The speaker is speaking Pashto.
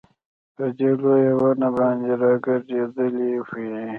په دې لويه ونه باندي راګرځېدلې وې